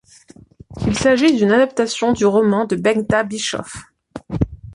Il s'agit d'une adaptation du roman de Bengta Bischoff.